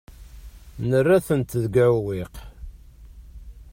Nerra-tent deg uɛewwiq.